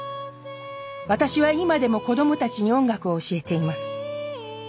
私は今でも子供たちに音楽を教えています。